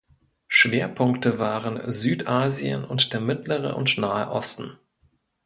Schwerpunkte waren Südasien und der Mittlere und Nahe Osten.